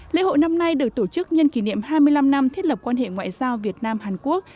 lễ hội năm nay được tổ chức nhân kỷ niệm hai mươi năm năm thiết lập quan hệ ngoại giao việt nam hàn quốc